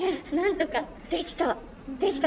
できた。